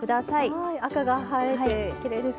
はい赤が映えてきれいですね。